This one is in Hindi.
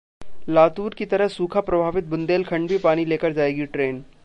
लातूर की तरह सूखा प्रभावित बुंदेलखंड भी पानी लेकर जाएगी ट्रेन